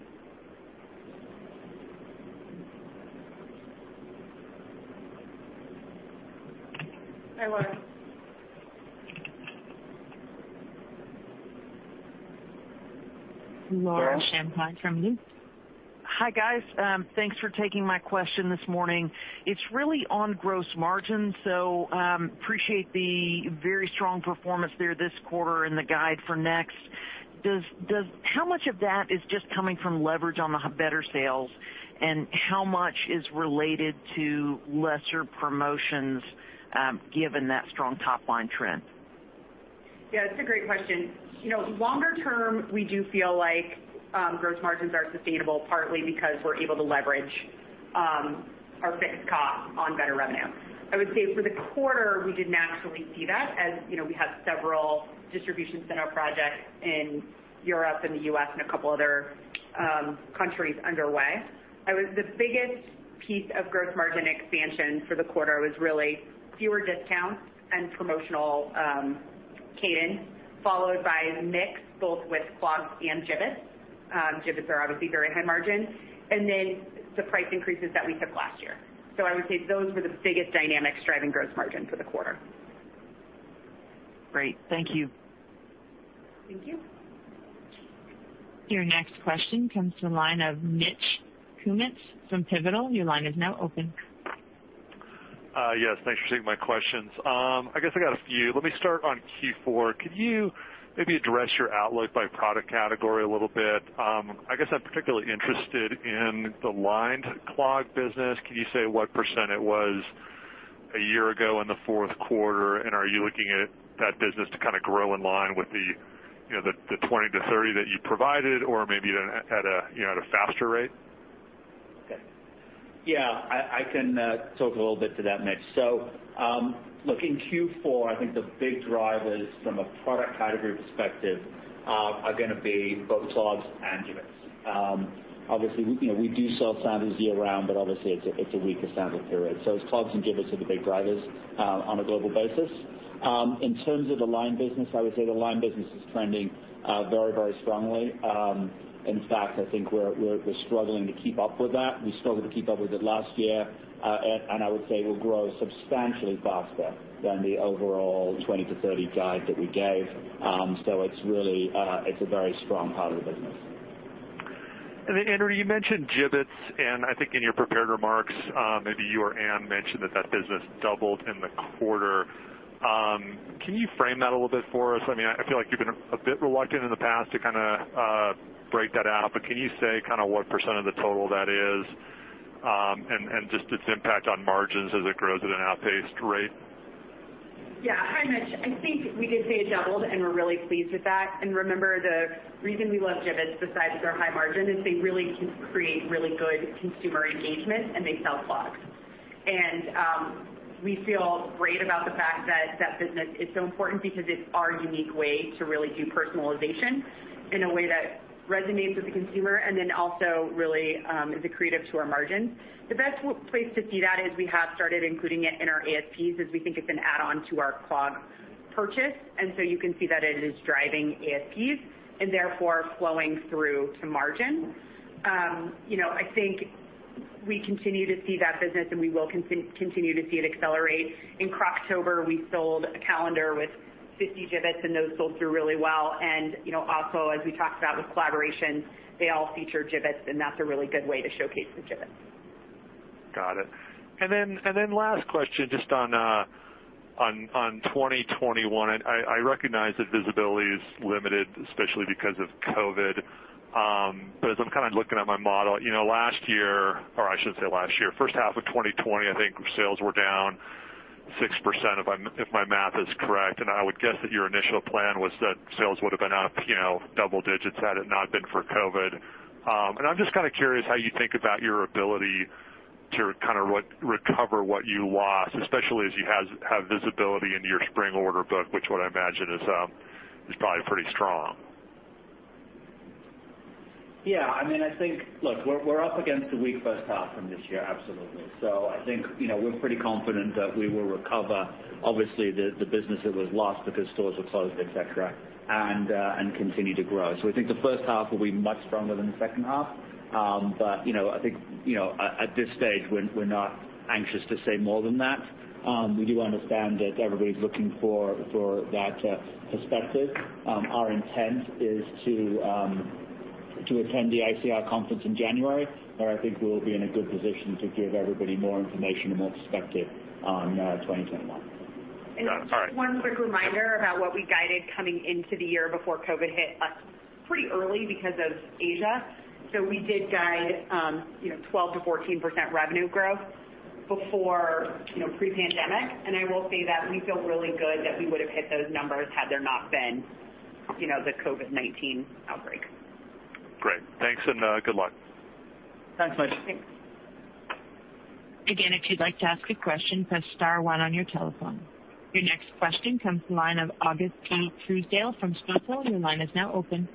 Hi, Laura. Laura Champine from Loop. Hi, guys. Thanks for taking my question this morning. It's really on gross margin. Appreciate the very strong performance there this quarter and the guide for next. How much of that is just coming from leverage on the better sales, and how much is related to lesser promotions, given that strong top-line trend? Yeah, it's a great question. Longer term, we do feel like gross margins are sustainable, partly because we're able to leverage our fixed cost on better revenue. I would say for the quarter, we did naturally see that. We have several distribution center projects in Europe and the U.S. and a couple other countries underway. The biggest piece of gross margin expansion for the quarter was really fewer discounts and promotional cadence, followed by mix, both with clogs and Jibbitz. Jibbitz are obviously very high margin. The price increases that we took last year. I would say those were the biggest dynamics driving gross margin for the quarter. Great. Thank you. Thank you. Your next question comes to the line of Mitch Kummetz from Pivotal. Your line is now open. Yes. Thanks for taking my questions. I guess I got a few. Let me start on Q4. Could you maybe address your outlook by product category a little bit? I guess I'm particularly interested in the lined clog business. Can you say what percent it was a year ago in the fourth quarter? Are you looking at that business to kind of grow in line with the 20%-30% that you provided or maybe at a faster rate? Okay. Yeah. I can talk a little bit to that, Mitch. Looking Q4, I think the big drivers from a product category perspective are going to be both clogs and Jibbitz. Obviously we do sell sandals year round, obviously it's a weaker sandal period. It's clogs and Jibbitz are the big drivers on a global basis. In terms of the lined business, I would say the lined business is trending very strongly. In fact, I think we're struggling to keep up with that. We struggled to keep up with it last year. I would say we'll grow substantially faster than the overall 20%-30% guide that we gave. It's a very strong part of the business. Then Andrew, you mentioned Jibbitz, and I think in your prepared remarks, maybe you or Anne mentioned that that business doubled in the quarter. Can you frame that a little bit for us? I feel like you've been a bit reluctant in the past to kind of break that out, Can you say kind of what percent of the total that is, and just its impact on margins as it grows at an outpaced rate? Hi, Mitch. I think we did say it doubled. We're really pleased with that. Remember, the reason we love Jibbitz besides their high margin, is they really create really good consumer engagement. They sell clogs. We feel great about the fact that that business is so important because it's our unique way to really do personalization in a way that resonates with the consumer. Also, it really is accretive to our margin. The best place to see that is we have started including it in our ASPs, as we think it's an add-on to our clog purchase. You can see that it is driving ASPs and therefore flowing through to margin. I think we continue to see that business. We will continue to see it accelerate. In Croctober, we sold a calendar with 50 Jibbitz. Those sold through really well. Also, as we talked about with collaborations, they all feature Jibbitz, and that's a really good way to showcase the Jibbitz. Got it. Last question, just on 2021. I recognize that visibility is limited, especially because of COVID-19. As I'm looking at my model, first half of 2020, I think sales were down 6%, if my math is correct, and I would guess that your initial plan was that sales would have been up double digits had it not been for COVID-19. I'm just curious how you think about your ability to recover what you lost, especially as you have visibility into your spring order book, which what I imagine is probably pretty strong. Yeah. Look, we're up against a weak first half from this year. Absolutely. I think, we're pretty confident that we will recover, obviously, the business that was lost because stores were closed, et cetera, and continue to grow. We think the first half will be much stronger than the second half. I think, at this stage, we're not anxious to say more than that. We do understand that everybody's looking for that perspective. Our intent is to attend the ICR conference in January, where I think we will be in a good position to give everybody more information and more perspective on 2021. Got it. All right. Just one quick reminder about what we guided coming into the year before COVID hit us pretty early because of Asia. We did guide 12%-14% revenue growth pre-pandemic, and I will say that we feel really good that we would've hit those numbers had there not been the COVID-19 outbreak. Great. Thanks and good luck. Thanks, Mitch. Thanks. Again, if you'd like to ask a question, press star one on your telephone. Your next question comes from the line of August P. Truesdale from Stifel. Your line is now open.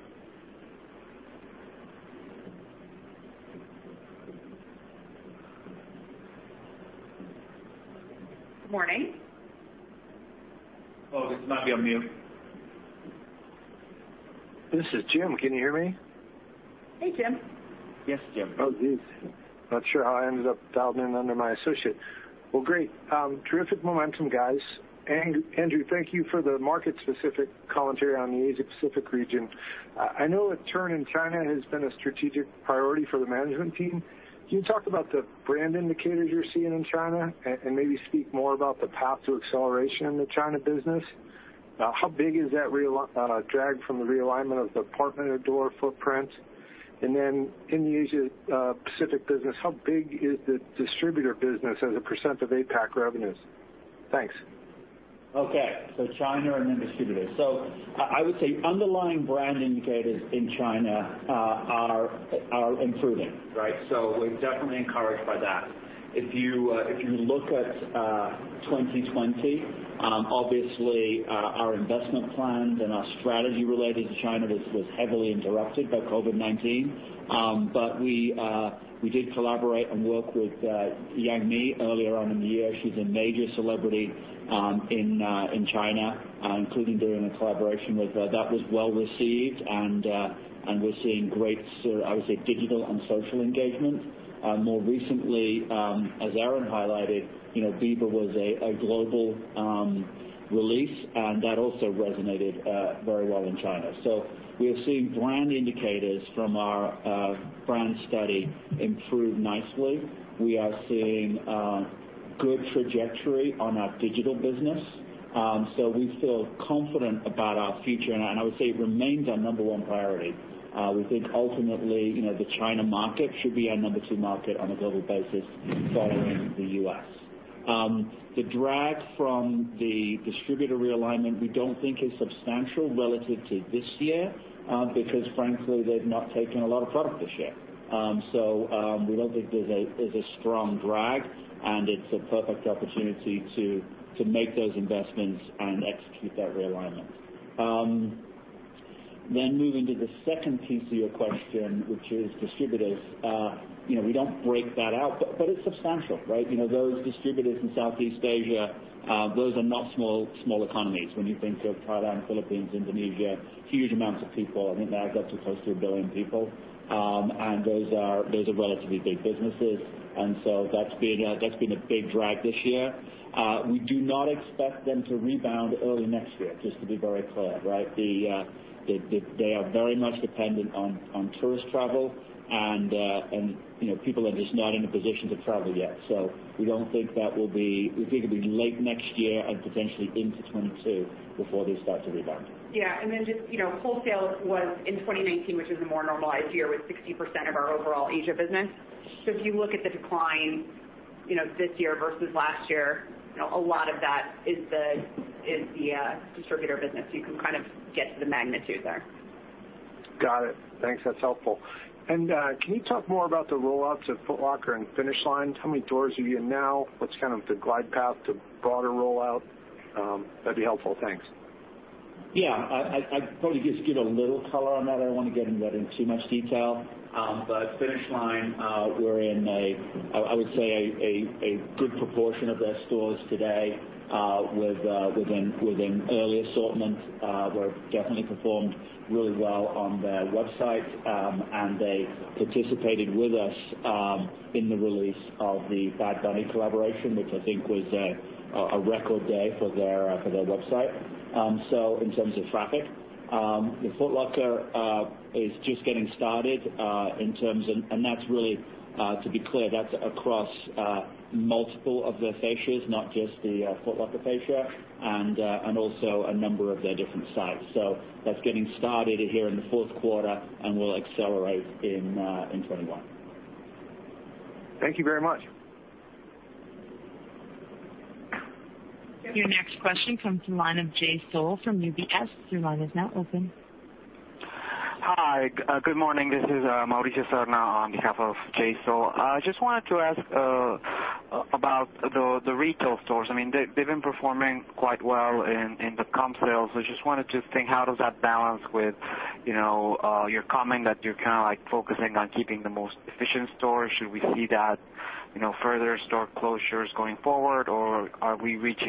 Morning. August, you might be on mute. This is Jim. Can you hear me? Hey, Jim. Yes, Jim. Oh, geez. Not sure how I ended up dialing in under my associate. Well, great. Terrific momentum, guys. Andrew, thank you for the market specific commentary on the Asia Pacific region. I know a turn in China has been a strategic priority for the management team. Can you talk about the brand indicators you're seeing in China and maybe speak more about the path to acceleration in the China business? How big is that drag from the realignment of the partner door footprint? Then in the Asia Pacific business, how big is the distributor business as a percent of APAC revenues? Thanks. Okay. China, and then distributors. I would say underlying brand indicators in China are improving. Right? We're definitely encouraged by that. If you look at 2020, obviously, our investment plans and our strategy related to China was heavily interrupted by COVID-19. We did collaborate and work with Yang Mi earlier on in the year. She's a major celebrity in China, including doing a collaboration with her. That was well received, and we're seeing great, I would say, digital and social engagement. More recently, as Erinn highlighted, Bieber was a global release, and that also resonated very well in China. We are seeing brand indicators from our brand study improve nicely. We are seeing good trajectory on our digital business. We feel confident about our future, and I would say it remains our number one priority. We think ultimately, the China market should be our number two market on a global basis following the U.S. The drag from the distributor realignment we don't think is substantial relative to this year, because frankly, they've not taken a lot of product this year. We don't think there's a strong drag, and it's a perfect opportunity to make those investments and execute that realignment. Moving to the second piece of your question, which is distributors. We don't break that out, it's substantial. Right? Those distributors in Southeast Asia, those are not small economies. When you think of Thailand, Philippines, Indonesia, huge amounts of people. I think the aggregate's close to a billion people. Those are relatively big businesses. That's been a big drag this year. We do not expect them to rebound early next year, just to be very clear. Right? They are very much dependent on tourist travel and people are just not in a position to travel yet. We think it'll be late next year and potentially into 2022 before they start to rebound. Yeah. Just wholesale was in 2019, which was a more normalized year, with 60% of our overall Asia business. If you look at the decline this year versus last year, a lot of that is the distributor business. You can get to the magnitude there. Got it. Thanks. That's helpful. Can you talk more about the roll-ups at Foot Locker and Finish Line? How many doors are you in now? What's the glide path to broader rollout? That'd be helpful. Thanks. Yeah. I'd probably just give a little color on that. I don't want to get into that in too much detail. Finish Line, we're in a, I would say, a good proportion of their stores today, with an early assortment. We've definitely performed really well on their website, and they participated with us in the release of the Bad Bunny collaboration, which I think was a record day for their website, so in terms of traffic. The Foot Locker is just getting started, and that's really, to be clear, that's across multiple of their fascias, not just the Foot Locker fascia, and also a number of their different sites. That's getting started here in the fourth quarter and will accelerate in 2021. Thank you very much. Your next question comes from the line of Jay Sole from UBS. Your line is now open. Hi, good morning. This is Mauricio Serna on behalf of Jay Sole. I just wanted to ask about the retail stores. They've been performing quite well in the comp sales. How does that balance with your comment that you're focusing on keeping the most efficient stores? Should we see that further store closures going forward, or have we reached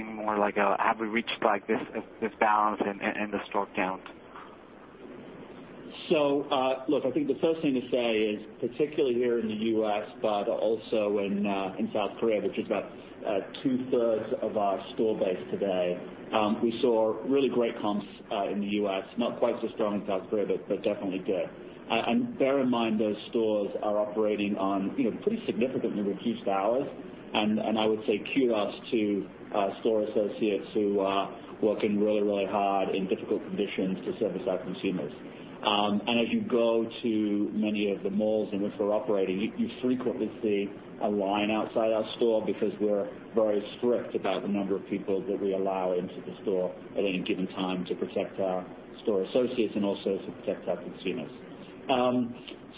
this balance in the store count? Look, I think the first thing to say is, particularly here in the U.S. but also in South Korea, which is about two-thirds of our store base today, we saw really great comps in the U.S. Not quite so strong in South Korea, but definitely good. Bear in mind, those stores are operating on pretty significantly reduced hours, and I would say kudos to store associates who are working really hard in difficult conditions to service our consumers. As you go to many of the malls in which we're operating, you frequently see a line outside our store because we're very strict about the number of people that we allow into the store at any given time to protect our store associates and also to protect our consumers.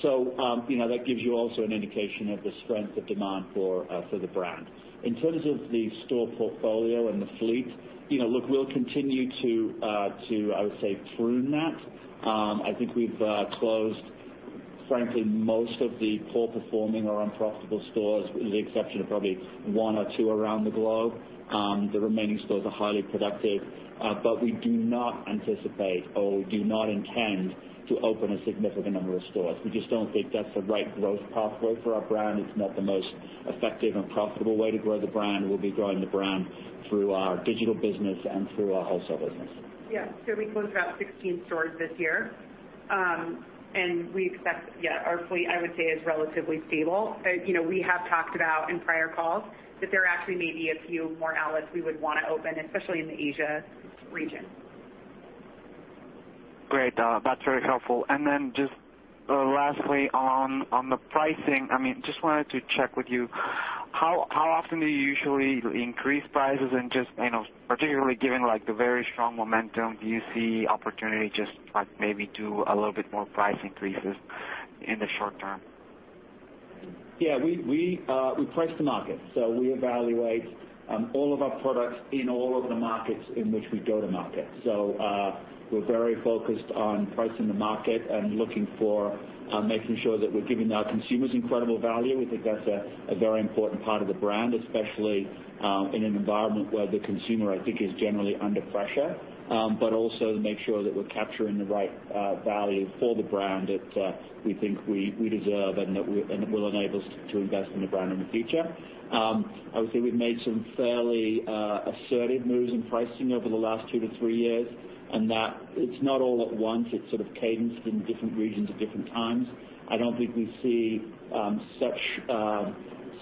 That gives you also an indication of the strength of demand for the brand. In terms of the store portfolio and the fleet. Look, we'll continue to, I would say, prune that. I think we've closed, frankly, most of the poor-performing or unprofitable stores, with the exception of probably one or two around the globe. The remaining stores are highly productive. We do not anticipate or do not intend to open a significant number of stores. We just don't think that's the right growth pathway for our brand. It's not the most effective and profitable way to grow the brand. We'll be growing the brand through our digital business and through our wholesale business. Yeah. We closed about 16 stores this year. We expect, yeah, our fleet, I would say, is relatively stable. We have talked about in prior calls that there actually may be a few more outlets we would want to open, especially in the Asia region. Great. That's very helpful. Then just lastly on the pricing. Just wanted to check with you, how often do you usually increase prices? Just particularly given the very strong momentum, do you see opportunity just maybe do a little bit more price increases in the short term? Yeah, we price to market. We evaluate all of our products in all of the markets in which we go to market. We're very focused on pricing the market and looking for making sure that we're giving our consumers incredible value. We think that's a very important part of the brand, especially in an environment where the consumer, I think, is generally under pressure. Also to make sure that we're capturing the right value for the brand that we think we deserve and that will enable us to invest in the brand in the future. I would say we've made some fairly assertive moves in pricing over the last two to three years, that it's not all at once. It's sort of cadenced in different regions at different times. I don't think we see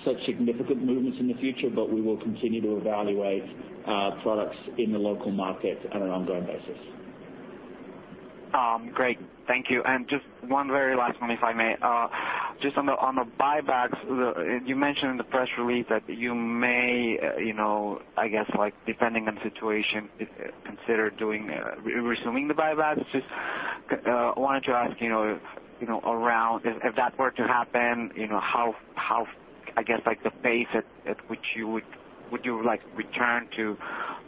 such significant movements in the future, but we will continue to evaluate products in the local market on an ongoing basis. Great. Thank you. Just one very last one, if I may. On the buybacks, you mentioned in the press release that you may, I guess, depending on the situation, consider resuming the buybacks. Wanted to ask, if that were to happen, how, I guess, the pace at which you would return to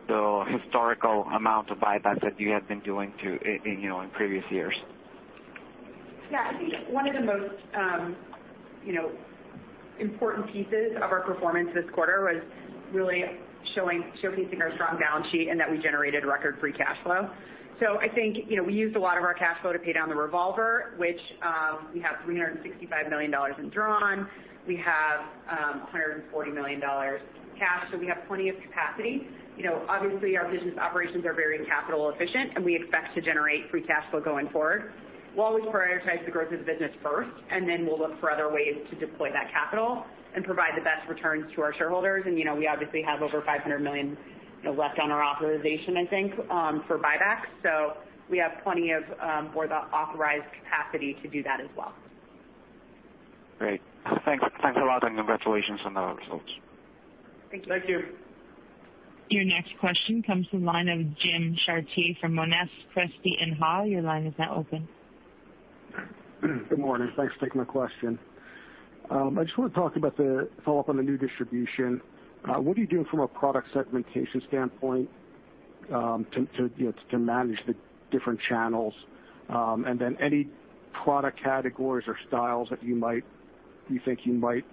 the historical amount of buybacks that you had been doing in previous years? Yeah, I think one of the most important pieces of our performance this quarter was really showcasing our strong balance sheet and that we generated record free cash flow. I think we used a lot of our cash flow to pay down the revolver, which we have $365 million undrawn. We have $140 million cash, so we have plenty of capacity. Obviously, our business operations are very capital efficient, and we expect to generate free cash flow going forward. We'll always prioritize the growth of the business first, and then we'll look for other ways to deploy that capital and provide the best returns to our shareholders. We obviously have over $500 million left on our authorization, I think, for buybacks. We have plenty of board authorized capacity to do that as well. Great. Thanks a lot. Congratulations on the results. Thank you. Thank you. Your next question comes from the line of Jim Chartier from Monness, Crespi, Hardt. Your line is now open. Good morning. Thanks for taking my question. I just want to talk about the follow-up on the new distribution. What are you doing from a product segmentation standpoint to manage the different channels? Any product categories or styles that you think you might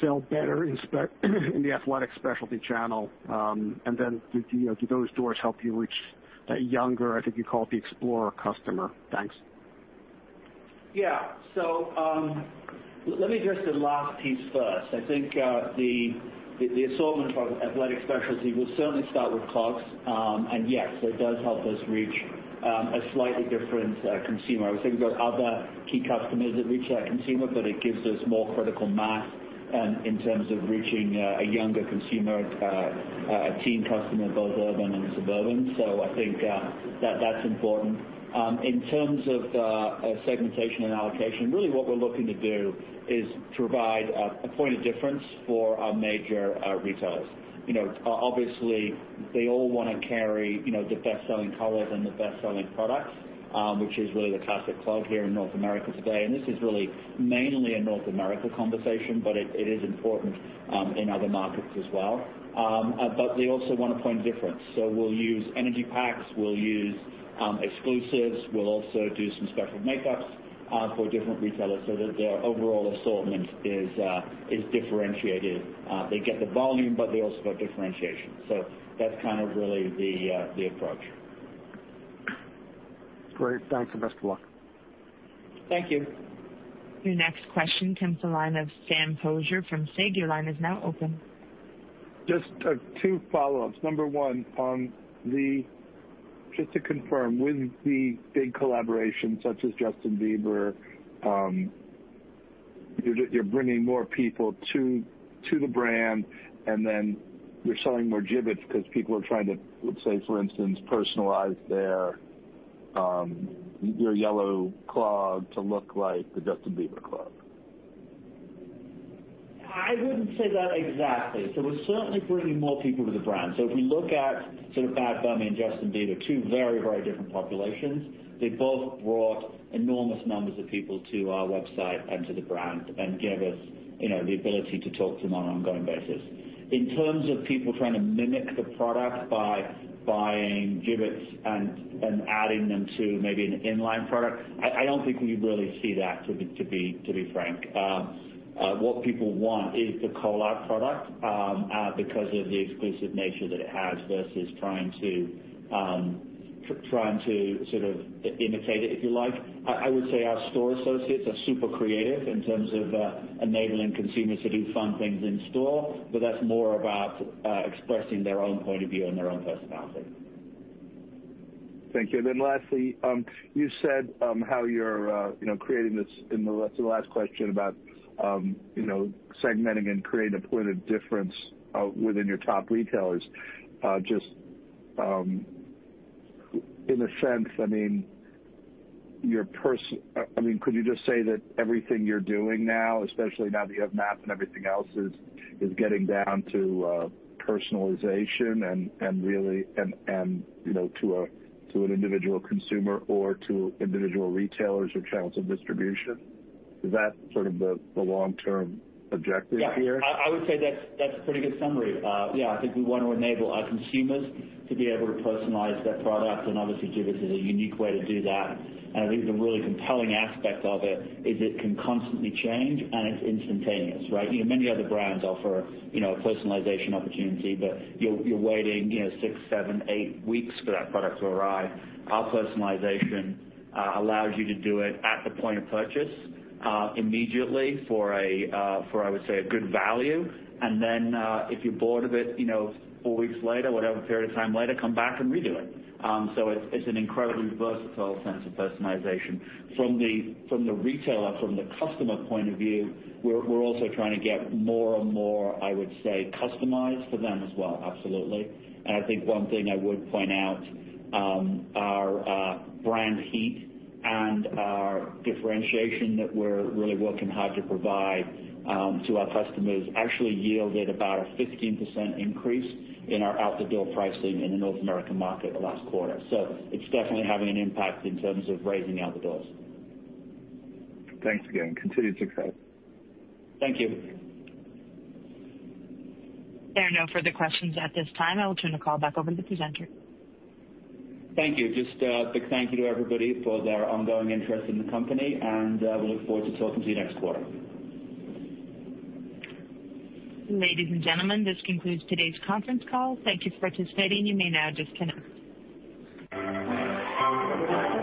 sell better in the athletic specialty channel, do those stores help you reach a younger, I think you call it the explorer customer? Thanks. Let me address the last piece first. I think the assortment of athletic specialty will certainly start with Crocs. Yes, it does help us reach a slightly different consumer. I would say we've got other key customers that reach that consumer, but it gives us more critical mass in terms of reaching a younger consumer, a teen customer, both urban and suburban. I think that's important. In terms of segmentation and allocation, really what we're looking to do is provide a point of difference for our major retailers. Obviously, they all want to carry the best-selling colors and the best-selling products, which is really the Classic Clog here in North America today. This is really mainly a North America conversation, but it is important in other markets as well. They also want a point of difference. We'll use energy packs, we'll use exclusives. We'll also do some special makeups for different retailers so that their overall assortment is differentiated. They get the volume, but they also get differentiation. That's really the approach. Great. Thanks, and best of luck. Thank you. Your next question comes the line of Sam Poser from SIG. Your line is now open. Just two follow-ups. Number one, just to confirm, with the big collaborations such as Justin Bieber, you're bringing more people to the brand, and then you're selling more Jibbitz because people are trying to, let's say for instance, personalize your yellow clog to look like the Justin Bieber clog. I wouldn't say that exactly. We're certainly bringing more people to the brand. If we look at Bad Bunny and Justin Bieber, two very different populations, they both brought enormous numbers of people to our website and to the brand, and gave us the ability to talk to them on an ongoing basis. In terms of people trying to mimic the product by buying Jibbitz and then adding them to maybe an inline product, I don't think we really see that, to be frank. What people want is the collab product because of the exclusive nature that it has versus trying to imitate it, if you like. I would say our store associates are super creative in terms of enabling consumers to do fun things in store, but that's more about expressing their own point of view and their own personality. Thank you. Lastly, you said how you're creating this, in the last question about segmenting and creating a point of difference within your top retailers. Just in a sense, could you just say that everything you're doing now, especially now that you have MAP and everything else, is getting down to personalization and really to an individual consumer or to individual retailers or channels of distribution? Is that sort of the long-term objective here? Yeah, I would say that's a pretty good summary. Yeah, I think we want to enable our consumers to be able to personalize their products, obviously Jibbitz is a unique way to do that. I think the really compelling aspect of it is it can constantly change, and it's instantaneous, right? Many other brands offer a personalization opportunity, but you're waiting six, seven, eight weeks for that product to arrive. Our personalization allows you to do it at the point of purchase immediately for, I would say, a good value. Then, if you're bored of it four weeks later, whatever period of time later, come back and redo it. It's an incredibly versatile sense of personalization. From the retailer, from the customer point of view, we're also trying to get more and more, I would say, customized for them as well. Absolutely. I think one thing I would point out, our brand heat and our differentiation that we're really working hard to provide to our customers actually yielded about a 15% increase in our out-the-door pricing in the North American market the last quarter. It's definitely having an impact in terms of raising out the doors. Thanks again. Continued success. Thank you. There are no further questions at this time. I will turn the call back over to the presenter. Thank you. Just a big thank you to everybody for their ongoing interest in the company. We look forward to talking to you next quarter. Ladies and gentlemen, this concludes today's conference call. Thank you for participating. You may now disconnect.